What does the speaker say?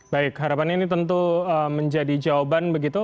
baik harapan ini tentu menjadi jawaban begitu